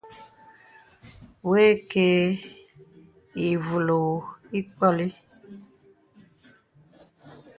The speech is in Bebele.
Wə̀kə̄ə̄ ìvùlɔ̄ɔ̄ ì ǐkpɔ̄li.